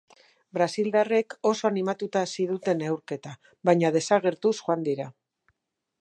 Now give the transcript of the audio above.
Brasildarrek oso animatuta hasi dute neurketa, baina desagertuz joan dira.